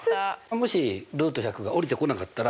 もしルート１００がおりてこなかったら？